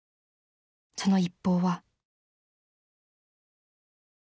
［その一報は］